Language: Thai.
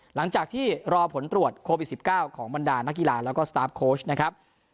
หลังจากที่รอผลตรวจโควิด๑๙ของบรรดานักกีฬาแล้วก็สตาร์ฟโค้ชนะครับ